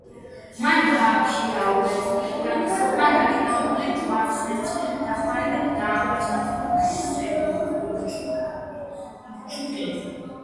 მან დაქირავებული ჯვაროსნების დახმარებით დაამარცხა თურქ-სელჩუკები.